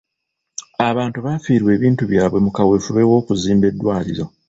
Abantu baafiirwa ebintu byabwe mu kaweefube w'okuzimba eddwaliro.